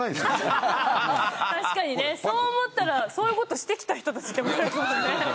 確かにねそう思ったらそういうことしてきた人たちって思います